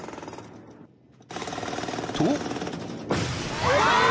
［と］